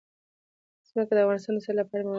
ځمکه د افغانستان د صنعت لپاره مواد برابروي.